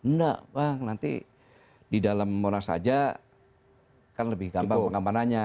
enggak bang nanti di dalam monas saja kan lebih gampang pengamanannya